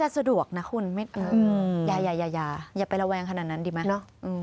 ผ่าแล้วก็เท่งนะคุณอย่าอย่าไประวังขนาดนั้นดีไหมเนอะ